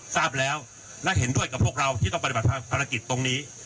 ทราบแล้วและเห็นด้วยกับพวกเราที่ต้องปฏิบัติภารกิจตรงนี้